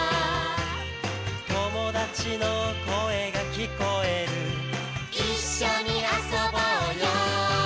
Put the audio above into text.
「友達の声が聞こえる」「一緒に遊ぼうよ」